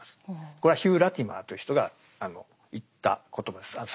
これはヒュー・ラティマーという人が言った言葉です最後に。